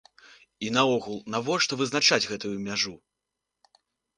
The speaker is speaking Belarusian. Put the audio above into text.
І наогул, навошта вызначаць гэтую мяжу?